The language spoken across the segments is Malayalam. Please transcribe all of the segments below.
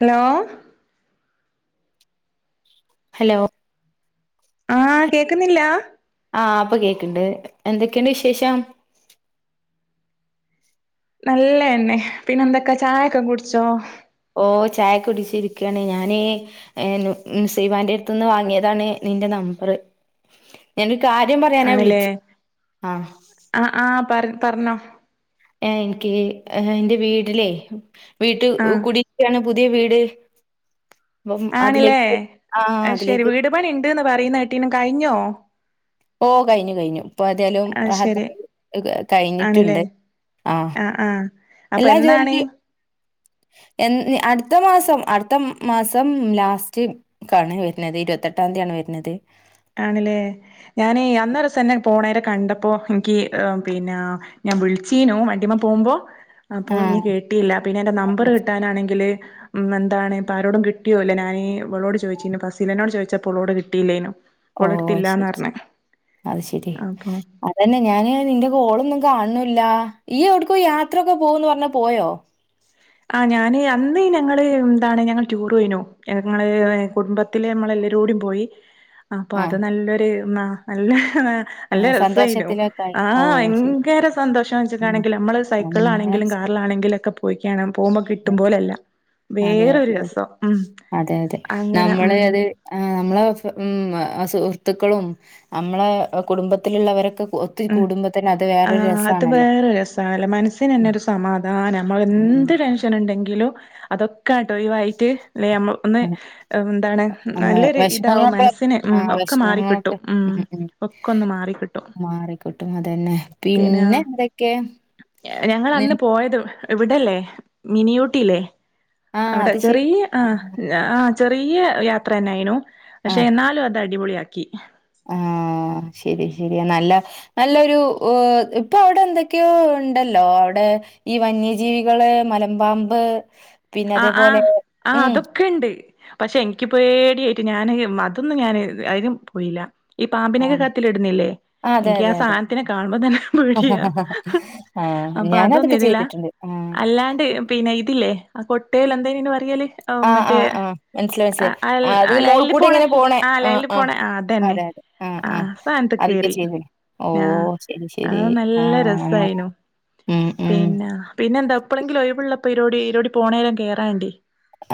ഹലോ ഹലോ ആഹ കേക്കുന്നില്ല പ്പൊ കേക്കണ്ട് എന്തൊക്കെയുണ്ട് വിശേഷം നല്ലതന്നെ പിന്നെ എന്തൊക്കെ ചായൊക്കെ കുടിച്ചോ ഓ ചായ കുടിച്ചിരിക്കാണ് ഞാൻ നുസൈബാൻ്റെടുത്തിന്ന് വാങ്ങിയതാണ് ൻ്റെ നമ്പർ ഞാൻ കാര്യം പറയാനാ ആണില്ലേ വിളിച്ചു ആഹ ആഹ് ആഹ് പറ പറഞ്ഞോ ആ എനിക്ക് എൻ്റെ വീട്ടിലേയ് ആഹ് വീട്ട്കുടാണ് പുതിയ വീട് അപ്പം ആണില്ലേ അതിലേക്ക് ആഹ് ശരി അതിലേക്ക് വീട് പണി ഉണ്ട്ന്ന് പറയുന്ന കേട്ടീനും കഴിഞ്ഞോ ഓ കഴിഞ്ഞു കഴിഞ്ഞു ഇപ്പൊ ഏതാലും അത് ഹ ശരി ആണില്ലേ കഴിഞ്ഞിട്ടുണ്ട് ആഹ ആഹ് ആഹ് അപ്പൊ എല്ലാ എന്നാണ് ജോലക്ക് എ അടുത്ത മാസം അടുത്ത മാസം ലാസ്റ്റ് കാണ് വരുന്നത് ഇരുപത്തെട്ടാതീയാണ് വരുന്നത് ആണില്ലേ ഞാനീ ഈ അന്ന ദിവസം തന്നെ പോണ കണ്ടപ്പോ എനിക്ക് പിന്നെ ഞാൻ വിളിച്ചീനു വണ്ടിമ്മ പോകുമ്പോ അപ്പൊ ഇനി ആഹ് കേട്ടിയില്ല പിന്നെ എന്റെ നമ്പര് കിട്ടാനാണെങ്കില് ഉം എന്താണ് ഇപ്പൊ ആരോടും കിട്ടിയോല്ല ഞാൻ ഇവളോട് ചോദിച്ചിനു പസീലനോട് ചോദിച്ചപ്പോ ഉളോട് കിട്ടയില്ലേനു ഓഹ് ഓളെടുത്തില്ലന്ന് ശരി പറഞ്ഞ അത് ശെരി അതന്നെ ഞാന് നിന്റെ കോളൊന്നും കാണണ ല്ല ഈ എവിടക്കോ യാത്ര ഒക്കെ പോവന്ന് പറഞ്ഞ പോയോ ആ ഞാൻ അന്ന് ഞങ്ങൾ എന്താണ് ഞങ്ങൾ ടൂർ പോയിനു ഞങ്ങൾ കുടുംബത്തില്ലെ നമ്മളെ [inaudible] ലരോടി പോയി അപ്പൊ അത് ആഹ് നല്ലൊരു നല്ല ഹ നല്ല ആഹ് രെസയിനു സന്തോഷത്തിലൊക്കായി ആ ഓഹ് അത് ശരി ഭയങ്കര സന്തോഷം ഉം വെച്ചിട്ടാണെങ്കിൽ നമ്മൾ സൈക്കിളാണെ നമ്മളെ [unintelligible] കാറിലണെങ്കിലൊക്കെ പോയിക്കണേ പോവുമ്പോ കിട്ടുമ്പോലെല്ല അതെ അതെ അതെ അതെ അങ്ങനെ നമ്മൾ ഉം അത് ആ നമ്മളെ ഉം സുഹൃത്തുക്കളും നമ്മളെ കുടുംബത്തിലുള്ളവരൊക്കെ ഒത്തിരി കൂടുമ്പോ തെന്ന ആ അത് വേറെ രസാല്ലെ മനസ്സിന് തന്നെ ഉം ഒരു സമാധാനം നമ്മൾ ഉം എന്ത് ടെൻഷൻ ഉണ്ടെങ്കി ങ്കിലും അതൊക്കെ അങ്ങട്ട് ഒഴിവായിട്ട് ല്ലെ നമ്മ ഒന്ന് ന്താണ് നമ്മളെ നല്ലൊരു ഇതാവും വിഷമങ്ങളൊക്കെ മനസ്സിന് ഉം ആഹ് ഒക്കെ മാറിക്കിട്ടും വിഷമങ്ങളൊക്കെ ഉം ഒക്കൊന്ന് മാറിക്കിട്ടും [unintelligible] അതന്നെ പിന്നെ ഞങ്ങൾ നി അന്ന് പോയത് വിടല്ലേ മിനിയൂട്ടില്ലേ ആ അവിടെ അത് ശരി. ചെറിയ ആ ആ ചെറിയ യാത്രന്നൊയിനു പക്ഷെ എന്നാലും അത് അടിപൊളിയാക്കി ആ ആ ശരി ശരി നല്ല നല്ലൊരുപ്പൊ അവിടെ എന്തൊക്കെയോ ഉണ്ടല്ലോ അവിടെ [unintelligible] ഈ വന്യജീവികൾ മലപമ്പ് ആ ആ ആ അതൊക്കെണ്ട് പക്ഷെ എനിക്ക് പേടിയായിട്ട് ഞാൻ അതൊന്നും ഞാൻ അയിനും പോയില്ല ഈ ആ പാമ്പിനൊക്കെ കൈത്തിൽ ഇടുന്നില്ലേ അതെ എനിക്ക് അതെ ആ അതെ. സന്നാത്തിനെ കാണുമ്പോ തന്നെ പേടിയ ആ അപ്പോ അതൊന്നും ഞാനതൊക്കെ ചെയ്തില്ല ചെയ്തിട്ടുണ്ട്. ആ അല്ലാണ്ട് പിന്നെ ഇതില്ലേ ആ കോട്ടേൽ എന്തേന്ന് അയിന് പറയൽ ഓ ആ ആ മറ്റേ ആ മനസ്സിലായി മനസ്സിലായി. അത് ആ മോൾ ലൈൻൽ കൂടെ പോണേ ഇങ്ങനെ ആ ലൈൻൽ പോണേ ആ അതന്നെ അതെ അതെ ആഹ് ഹാ ആഹ് സാനത്ത് അതൊക്കെ കേറി ചെയ്തേ ഓ ആ ശരി ശരി അത് നല്ല ആഹ് നന്നായി രസായിന്നു ഉം ഉം പിന്നെ പിന്നെ എന്താ ഇപ്പഴെങ്കിലും ഒഴിവുള്ളപ്പോ ഇരോടി ഇരോടി പോണേരം കേറേണ്ടി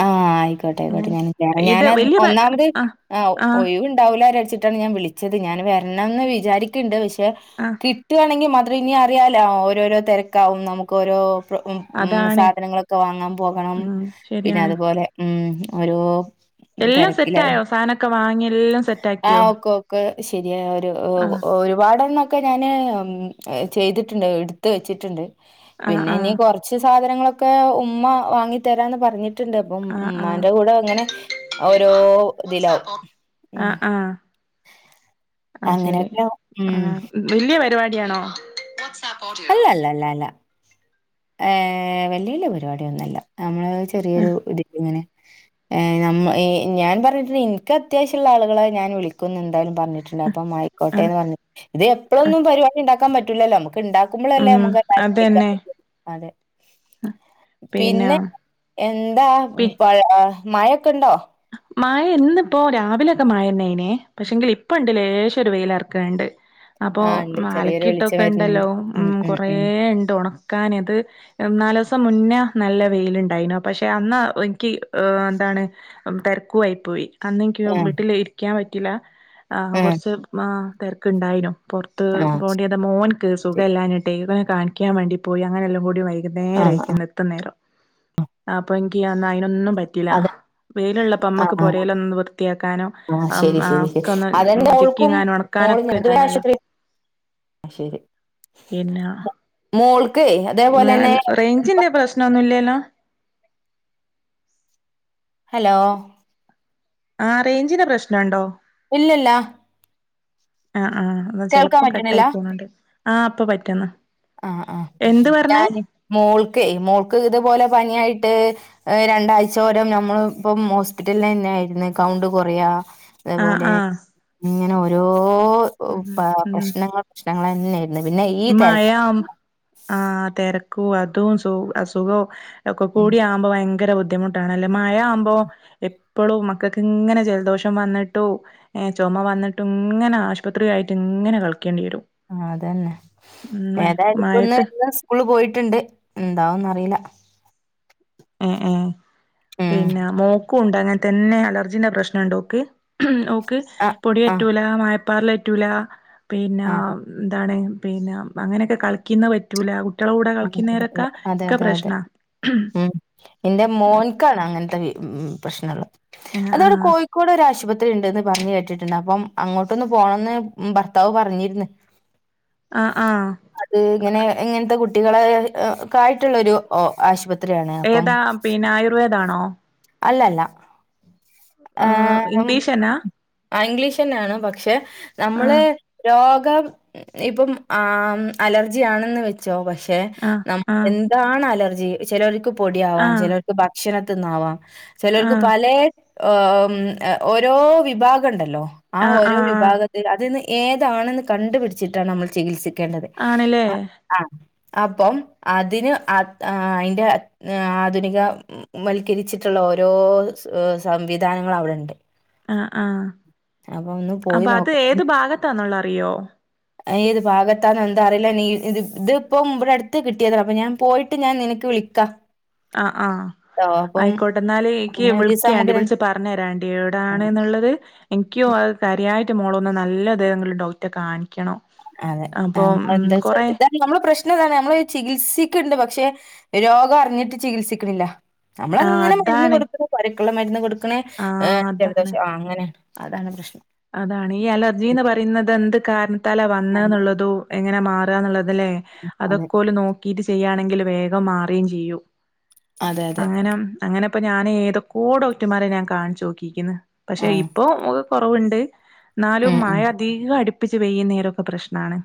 ആഹ ആയിക്കോട്ടെ ആയിക്കോട്ടെ ഞാൻ കേറാ ഇത് ഞാന വലിയ പ ഒന്നാമത് ആഹ് ആ ആഹ് ഒഴിവൂണ്ടാവൂല [unintelligible] ഞാൻ വിളിച്ചത് ഞാൻ വരണന്ന് വിചാരിക്ക്ണ്ട് പക്ഷെ ആഹ് കിട്ടുകയാണെങ്കിൽ [inaudible] [unintelligible] ഇനി അറിയാലോ ഓരോരോ തെരക്കാവും നമുക്കോരോ [unintelligible] മ് മ് അതാണ് സാധനങ്ങളൊക്കെ വാങ്ങാൻ പോകണം ഉം പിന്നെ ശരിയാണ് അതുപോലെ മ് ഓരോ എല്ലാം തെരിക്കിലാവും സെറ്റായോ സാനൊക്കെ വാങ്ങി എല്ലാം ആ സെറ്റാക്കിയോ ഓക്കെ ഓക്കെ ശരിയ ഒരു [unintelligible] ആഹ് ഒരുപാടെണ്ണം [unintelligible] ഞൻ ചെയ്തിട്ട്ണ്ട് ഇട്ത്ത് വെച്ചിട്ട്ണ്ട് ആഹ് പിന്നെ ഇനി ആഹ് കൊർച് സാധന ങ്ങളൊക്കെ ഉമ്മ വാങ്ങി തരാന്ന് പറഞ്ഞി [unintelligible] ണ്ട് അപ്പം ആഹ് ആഹ് ഉമ്മാന്റെ കൂടെ ഇങ്ങനെ ഓരോ ഇതിലാവും ആ ഉം ആ അ ശരി അങ്ങനെയൊക്കെ ഉം ആ ഇല്യ [unintelligible] യ [unintelligible] പരിപാടിയാണോ അല്ല അല്ല ല്ല ല്ല ഏ വല്യവല്യ പരിപാടിയൊന്നല്ല നമ്മൾ ആഹ് ചെറിയൊരു ഇതിൽഇങ്ങനെ [unintelligible] ഞാൻ പറഞ്ഞിട്ടുണ്ട് എനിക്ക് അത്യാവശ്യംുള്ള ആളുകളെ ഞാൻ വിളിക്കു [unintelligible] ന്തായാലും പറഞ്ഞിട്ടുണ്ട് അപ്പം മ്മ ആഹ് ആയിക്കോട്ടെന്ന് ഇത് എപ്പോഴൊന്നും പരിപാടി ഇണ്ടാക്കാൻ പറ്റൂല്ലല്ലോ [unintelligible] [unintelligible] ഇണ്ടാക്കുമ്പോളെല്ലെ ഉം ആമക്ക് അതന്നെ [unintelligible] അതെ പിന്നെ എന്താ പി [unintelligible] മഴക്കെ ഇണ്ടോ മഴ ഇന്ന്പ്പോ രാവിലോക്കെ മഴന്നേയിനെ പക്ഷെങ്കിൽ ഇപ്പണ്ട് ലേശം ഒരു വെയിലാർക്ക്ണ്ണ്ട് അപ്പൊ ആഹ് ഇണ്ട് ചെറിയൊരു വെളിച്ചം അലക്കിയിട്ടൊക്കെണ്ടല്ലോ വരുന്നുണ്ട് ഉം കൊറേ ഉം ഇണ്ട് ഉണക്കാൻ അത് നാല് ദോവസം മുന്നേ നല്ല വെയിലുണ്ടായിനു പക്ഷെ അന്ന എനിക്കി എന്താണ് തെരുക്കു ആയി പോയി അന്ന് ഇക്കി ആഹ് വീട്ടിൽ ഇരിക്കാൻ പറ്റില്ല ആ ആഹ് കുറച്ച് മ് തിരക്ക്ണ്ടായിന്നു പുറത്ത് ആഹ് പോണ്ടിയത് മോന്ക്ക് ശരി സുഖല്യഞ്ഞിട്ടെ ഇവനെ കാണിക്കാൻ വേണ്ടി പോയി അങ്ങനെലുക്കുടിയും വൈ [unintelligible] ആഹ് ആഹ് നേരയിക്ക്ണ് എത്തുനേരം അപ്പനിക്കി അയിന് ഒന്നും പറ്റില്ല അതെ വെയില്ള്ളപ്പം ആഹ് നമ്മയ്ക്ക് ആഹ് പൊരേയിലൊന്ന് വൃത്തിയാക്കാനോ ആഹ് ശരി ആ ശരി ശരി ഒക്കെ ഒന്ന് അതന്നെ ചിക്കി മോൾക്കും ഇങ്ങാനും ഒണക്കാനോ [unintelligible] ശരി പിന്ആ മോൾക്കേ [unintelligible] അതേപോലെന്നെ റേഞ്ചിന്റെ പ്രശ്നൊന്നുല്ലല്ലോ ഹലോ ആ റേഞ്ചിന പ്രശ്നുണ്ടോ ഇല്ലില്ല ആ എന്നാ ചെലപ്പോം പറ്റണില്ല കട്ടായി പോണണ്ട് ആ ഇപ്പൊ പറ്റന്ന് ആ ആ ഞാൻ മോൾക്കെ മോൾക്ക് ഇതുപോലെ പനിയായിട്ട് ്് രണ്ടാഴ്ചോരം നമ്മള് ഇപ്പം ഹോസ്പിറ്റല ന്നെ ആയിരുന്നു കൗണ്ട് കൊറയാ ആ അതേപോലെ ആ ഇങ്ങനെ ഓരോ ഉം പ്രശ്നങ്ങ പ്രശ്നങ്ങൾ ന്നെ ഇന്നാ പിന്നെ ഈ തെരകും [unintelligible] ആ തെരക്കും അതും സുഖു അസുഖോ ഒക്കെ ഉം കൂടെ ആകുമ്പോൾ ഭയങ്കര ഭയങ്കര ബുദ്ധിമുട്ടാണല്ലേ മഴ ആവുമ്പോ എപ്പോളും മക്കൾക്ക് ഇങ്ങനെ ജലദോഷം വന്നിട്ടു ഏ ചുമ വന്നിട്ട് ഇങ്ങനെ ആശുപത്രി ആയിട്ട് ഇങ്ങനെ കളിക്കേണ്ടി വരും ആ അതന്നെ ഉം ഏതായാലു പ്പന്ന് മഴയത്ത് ഇന്ന് സ്കൂള് പോയി ട്ട്ണ്ട് എന്താവന്ന്റിയീല ഏഏ പിന്നെ മോക്കു ഇന്ക്കുംണ്ട് അങ്ങനെ തന്നെ അലർജിന്റെ പ്രശ്‌നൻടോ ഓക്ക് ഉം ഓക്ക് ആഹ് പൊടിയ ആഹ് അറ്റൂല മഴ പ്പാറലറ്റൂല പിന്നെ അതെ ന്താണ് പിന്നെ അങ്ങനോക്കെ യൊക്കെ കളിക്കുന്ന പറ്റൂല കുട്ട്യളെ കൂടെ അതെ കളിക്കുന്നേരൊക്കെ അതെ ഒക്കെ അതെ അതെ പ്രശ്നാ ഉം എന്റെ മോൻക്കാണ് അങ്ങനെത്തെ പ്രശ്നള്ളത് ആ അതൊവ്ടെ ആ കോഴിക്കോട് ഒരു ആശുപത്രി ണ്ട്ന്ന് പറഞ്ഞ് കേട്ടിട്ടുണ്ട് അപ്പം അങ്ങോട്ടൊന്ന് പോണംന്ന് ഭർത്താവ് പറഞ്ഞിന്ന് ആ ആ [unintelligible] അത് ഇങ്ങനെ ഇങ്ങനത്തെ കു ട്ടികളെ കായിട്ടുള്ളൊരു ആശുപത്രിയാണ് അപ്പം ഏതാ പിന്നെ ആയുർവേദാണോ അല്ലല്ലാ ആ [unintelligible] ആ ഇംഗ്ലീഷ് തന്നെയാണ് പക്ഷെ ആ നമ്മള് രാ [unintelligible] ഇപ്പം ആം അലർജിയാണെന്ന് വെച്ചോ പക്ഷെ [unintelligible] ആ ക്ഷെ നം ആ എന്താണ് അലർജി ചെലവർക്ക് ആ പൊടിയാവാം ചെലവർക്ക് ഭക്ഷണത്തിന്നാവാം. ആ ചെലവർക്ക് പലേ അ ആം ഓരോ വിഭാഗൊണ്ടല്ലോ ആ ആഹ് ഓരോ ആ വിഭാഗത്തിൽ അതിൽന്ന് ഏതാണെന്ന് കണ്ടുപിടിച്ചിട്ടാണ് നമ്മൾ ചികിത്സി ക്കേണ്ടത് ആണല്ലേ അ ആഹ് അപ്പം അതിന് അത് ആ അതിന്റെ ആ ആധുനിക ഉം വൽക്കരിച്ചി ള്ളോരോ സ് [unintelligible] സംവിധാനങ്ങളവിടൊണ്ട് ആ ആ പോയി അപ്പൊ അത് ഏത് ഭാഗത്താന്നൊള്ളത് അറിയോ ഏ ഇത് ഭാഗത്താന്നാ ന്താ അറിയില്ല നീ ഇ ഇത് ഇതിപ്പോം ഇവിടെ അടുത്ത് കിട്ടിയത അപ്പൊ ഞാൻ പോയിട്ട് ഞാൻ നിനക്ക് വിക്ക ആ ആ ആയിക്കോട്ട ന്നാല് എയിക്ക് അങ്ങനെ ഒരു ദിവസം നമുക്ക് വിൾക്യാന്റി ര വിളിച്ച് പറഞ്ഞ് തരാന്റി ഉം എവിടാണ്ന്നുള്ളത് എനിക്കോ കാര്യായിട്ട് മോളൊന്ന് നല്ല തേതെങ്കിലും ഡോക്റ്റേ കാണിക്കണോം അതെ അ എന്താന്ന് വെച്ചാല് ഇതാ നമ്മടെ പ്രശ്നവിതാണ് നമ്മള് [unintelligible] ചികിത്സിക്കുണ്ട് പക്ഷെ രോഗം അറിഞ്ഞിട്ട് ചികിത്സിക്കണില്ല ആ നമ്മളങ്ങനെ മരുന്ന് അതാണ് കൊടുക്കുന്നു പനിക്കുള്ള മരുന്ന് കൊടുക്കു ആ [unintelligible] അതാണ് ജലദോഷം ആ അങ്ങനെ അതാണ് പ്രശ്നം അതാണ് ഈ അലർജിന്ന് പറയുന്നതെന്ത് കാരണത്താലാ വന്നേന്നുള്ളതൂ എങ്ങനാ മാറുകാന്നുള്ള അതല്ലെ അതെ അതൊക്കോല് നോക്കീട്ട് ചെയ്യാണെങ്കില് വേഗം മാറേം ചെയ്യൂ. അതെ അതെ അങ്ങനം അങ്ങനെപ്പ ഞാനേതൊക്കോ ഡോക്ടർമാരെ ഞാൻ കാണിച്ചു നോക്കിക്കുന്നു പക്ഷെ ആ ഇപ്പൊ ഉ കുറവുണ്ട് എന്നാലും ഉം ഉം മയ അധികം അടി പ്പിച്ച് പെയ്യുന്നേരൊക്കെ പ്രശ്നാണ്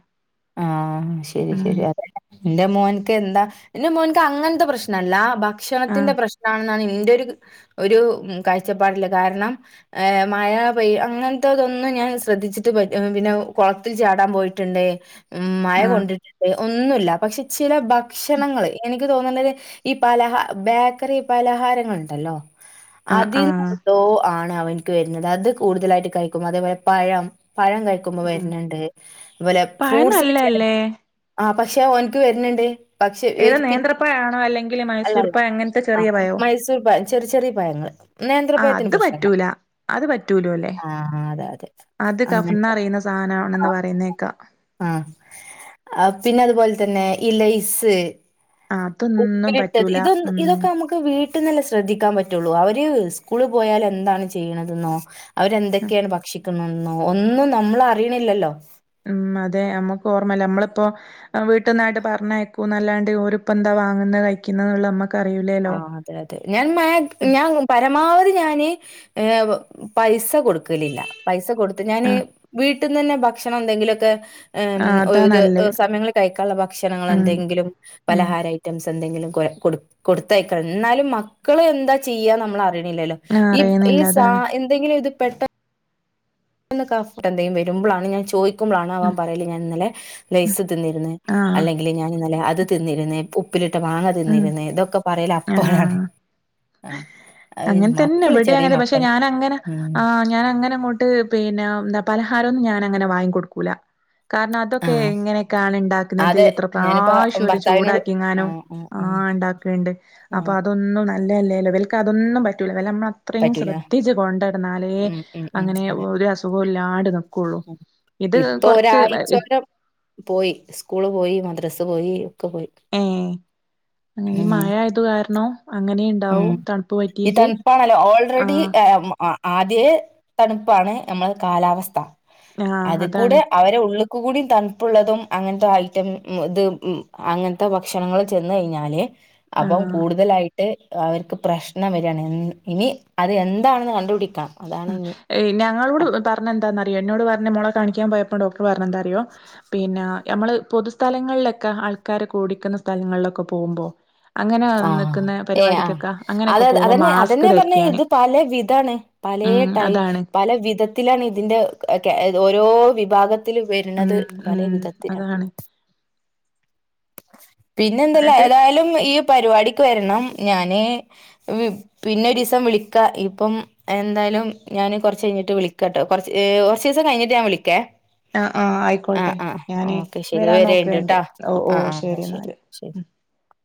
ആഹ് ശരി ഉം ശരി അതെ ന്റെ മോൻക്ക് എന്താ എന്റെ മോൻ ക്കങ്ങനത്തെ പ്രശ്നംല്ല ആഹ് ഭക്ഷണത്തിന്റെ പ്രശ്നാണെന്നാണെനി എന്റെ ഒരു ഒരു ഉം കാഴ്ചപ്പാടില്ല കാരണം ആ മഴ പെയ്യ അങ്ങനത്തതൊന്നും ഞാൻ ശ്രദ്ധിച്ചിട്ട് പോയ്‌ ആ പിന്നെ കൊളത്തിൽ ചാടാൻ പോയിട്ടുണ്ട് ഉം മഴ ആഹ് കൊണ്ടിട്ടുണ്ട് ഒന്നുല്ല പക്ഷെ ചില ഭക്ഷണങ്ങള് എനിക്ക് എനിക്ക് തോന്നുന്നത് ഈ പലഹാ ബേക്കറി പലഹാരങ്ങളുണ്ടല്ലോ ആഹ് അതി [unintelligible] ആഹ് ന്തോ ആണ് അവനിക്ക് വരുന്നത് അത് കൂടുതലായിട്ട് കയിക്കും അതേപോലെ പഴം പഴം കഴിക്കുമ്പോ ഉം വരുന്നുണ്ട് അതുപോലെ പഴം ഫ്രൂട്ട്സില് ചെല നല്ലല്ലേ പക്ഷേ ഓൻക്ക് വരുന്നുണ്ട് പക്ഷെ ഏതാ [unintelligible] പി നേന്ത്രപ്പഴാണോ അല്ലെങ്കില് മൈസൂർ അല്ലല്ല പഴം അങ്ങനത്തെ ആ ചെറിയ പഴോ മൈസൂർ പയം ചെറിയ ചെറിയ പയങ്ങള്. ആഹ് നേന്ത്രപയത്തിന് അത് പ്രശ്നവില്ല പറ്റൂല അത് പറ്റൂലോല്ലേ ആ അതെ അതെ അത് അങ്ങനത്തെ കഫംനറയുന്ന സാധനവാണെന്ന് പറയുന്നേക്കാം അ ആ പിന്നെ അതുപോലെ തന്നെ ഈ ലൈസ് അതൊന്നും ഉപ്പിലിട്ടത് പറ്റൂല ഇതൊന്ന് [unintelligible] ഉം ഇതൊക്കെ നമുക്ക് വീ [unintelligible] ശ്രദ്ധിക്കാൻ പറ്റുള്ളൂ അവര് സ്കൂളി പോയാലെന്താണ് ചെയ്യണതെന്നോ അവരെന്തൊക്കെയാണ് ഭക്ഷിക്കുന്നെന്നോ ഒന്നും നമ്മളറിയണില്ലല്ലോ. ഉം അതെ നമ്മക്ക് ഓർമ്മല്ല നമ്മളിപ്പോ അ വീട്ടിന്നായിട്ട് പറഞ്ഞയക്കൂന്നല്ലാണ്ട് ഓരിപ്പം ന്താ വാങ്ങുന്നേ കഴിക്കുന്നേന്നുള്ള നമ്മുക്ക് ആ അതെ അതെ ഞാൻ മാക് ഞാൻ പരമാവധി ഞാന് [unintelligible] പൈസ കൊടുക്കലില്ല പൈസ കൊടുത്ത് ഞാന് ആഹ് വീ [unintelligible] തന്നെ ഭക്ഷണം എന്തെങ്കിലൊക്കെ അം ആഹ് അതാ ഒരു ഒ നല്ലത് സമയങ്ങളിൽ കഴിക്കാനുള്ള ഉം ഭക്ഷണളെന്തെങ്കിലും ഉം പലഹാര ഐറ്റംസ് എന്തെങ്കിലും കൊയ കൊടു കൊടുത്തയിക്കണം എന്നാലും മക്കള് എന്താ ചെയ്യാന്നമ്മളറിയ യില്ലല്ലോ ആഹ് ഈപ് ഈ അറിയുന്നില്ല സാ അതാണ് എന്തെങ്കിലും ഇത് പെട്ട [unintelligible] എന്തെങ്കും വരുമ്പളാണ് ഞാൻ ചോയി ക്കുമ്പളാണ് അവൻ ഉം പറയല് ഞാൻ ഇന്നലെ ലെയ്സ് തിന്നിരുന്ന് ആഹ് അല്ലെങ്കില് ഞാൻ ഇന്നലെ അ അത് തിന്നിരുന്നേ ഉപ്പിലിട്ട മാങ്ങ ഉം തിന്നിരുന്നേ ഇതൊക്കെ പറയലപ്പഴാണ് ആ അങ്ങന തന്നാ ഇവിടെ അങ്ങനാ പക്ഷെ ഞാനങ്ങനെ ഉം ആ ഞാനങ്ങനെ ങ്ങോട്ട് പിന്നെ മ്എന്താപലഹാരൊന്നും ഞാൻ അങ്ങനെ വാങ്ങി കൊടുക്കൂല. കാരണം അതൊക്കെ എങ്ങനെക്കാണ് ഇണ്ടാക്കുന്നത് അതെ എത്ര ഞാനിപ്പ പ്രാവ്ശ്യം ഓര് ഭർത്താവിനോട് ചൂടാക്കിങ്ങാനോ. ആഹ് ആഹ് ആഹ. ആഹ് ഉണ്ടാക്ക്ണ്ട് അപ്പൊ ആഹ് അതൊന്നും നല്ലേ ലല്ലോ ഇവൽക് അതൊന്നും പറ്റൂല. ഇവലെ മ്മള് അത്രയും പറ്റൂല ശ്രദ്ധിച്ച് കൊണ്ടടന്നാലേ.. ഉം ഉം ഉം അങ്ങനെ അതെ ഒരു അസുകൊ ഇല്ലാണ്ടു ഇപ്പൊ ഒരാഴ്ചോരം പോയി. സ്കൂള് പോയി മദ്രസ് പോ ഏ [unintelligible] ഈ ഉം മയായത് കാരണോ അങ്ങനി ഉം [unintelligible] ഈ തൺപ്പാണല്ലോ ഓൾറെഡി ആഹ് എമ്. ആ ആദ്യേ തണുപ്പാണ് നമ്മളെ കാലാവസ്ഥ [inaudible] ആഹ് അത് കൂടെ അതാണ് അവരെ ഉള് കൂടിം തൺപ്പുള്ളതും അങ്ങൻത്തെ ഐറ്റം മ് ഇത് മ് അങ്ങനത്തെ ഭക്ഷണങ്ങൾ ചെന്ന് കൈഞ്ഞാൽ. അപം ആഹ് കൂടുതലായി ട്ട് അവർക്ക് പ്രശ്നം വരാണ് മ്. ഇനി അത് എന്താണെന്ന് കണ്ടുപിടിക്ക ഉം എ ഞങ്ങളോട് പറഞ്ഞന്താന്ന്റിയോ എന്നോട് പർഞ്ഞ മോളെ കാണിക്കാൻ പോയപ്പോ ഡോ വർഞ്ഞെന്താറിയോ? ഹ് പിന്നെ. നമ്മള് പൊതുസ്ഥലങ്ങളിലൊക്കെ ആൾക്കാരെ കൂടിക്ക്ന്ന സ്ഥലങ്ങളിലൊക്കെ പോവുമ്പോ [inaudible] ആഹ് ഏ ആഹ് അത് അങ്ങനെയൊക്കെ ത്‌ പോകുമ്പോ അതന്നെ മാസ്ക് അതെന്നെയെ പറഞ്ഞെ ധരിക്കാന് ഇത് പല വിധാണ്. പലേ ഉം ടൈ അതാണ് പല വിധത്തിലാണ് ഇതിന്റെ ഹ് കെ ഒ ഓരോ വിഭാഗ ത്തിൽ ഉം വര്ണത് പല ഉം വിധത്തിലാണ്. അതാണ് പിന്നെ എന്തെല്ല എന്നിട്ട് ഏതായാലും ഈപ് പരിവാടിക്ക് വരണം ഞാന് മ് പിന്നെ ഒരീസം വിളിക്ക ഇപ്പം എന്ത ലും ഞാന് കൊറച്ചയിഞ്ഞിട്ട് വിളിക്കട്ടൊ കൊർച് ഹ്. കൊർച്ചീസം കഴിഞ്ഞിട്ട് ഞാൻ വിളിക്കേ. ആഹ് ആഹ് അ ആയിക്കോട്ടെ ആഹ് ഞാന് ഓക്കെ ശെരി വരാൻ നോക്കണ്ട് വരേണ്ടുട്ടാ ഓ ഓ ആ ആ് ന്നാ ശരി ശെരി എന്നാല് ഉം ശെരി. [inaudible]